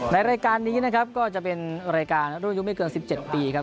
ในรายการนี้นะครับก็จะเป็นรายการรุ่นอายุไม่เกิน๑๗ปีครับ